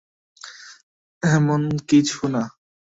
এমন কিছু না।